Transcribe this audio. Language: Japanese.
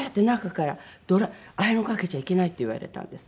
「アイロンかけちゃいけない」って言われたんです。